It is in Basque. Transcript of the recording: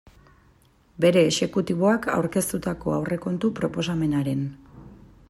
Bere exekutiboak aurkeztutako aurrekontu proposamenaren.